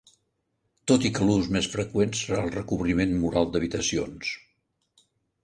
Tot i que l'ús més freqüent serà el recobriment mural d'habitacions.